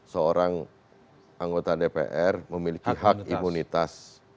seorang anggota dpr memiliki hak imunitas